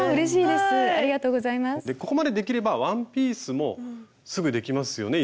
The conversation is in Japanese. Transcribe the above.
でここまでできればワンピースもすぐできますよね？